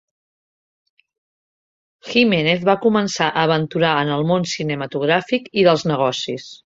Jimenez va començar a aventurar en el món cinematogràfic i dels negocis.